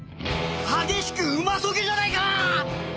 激しくうまそげじゃないかーっ！